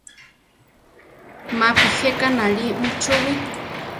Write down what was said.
Mapi jéka náli muchúwi.